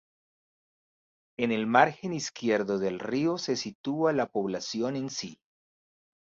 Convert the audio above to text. En el margen izquierdo del río se sitúa la población en sí.